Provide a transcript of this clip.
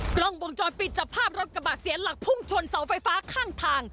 กล้องวงจรปิดจับภาพรถกระบะเสียหลักพุ่งชนเสาไฟฟ้าข้างทาง